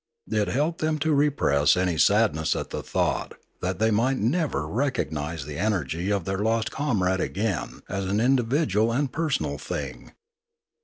It helped them to repress any sadness at the thought that they might never recognise the energy of their lost comrade again as an individual and personal thing.